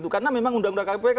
karena memang undang undang kpk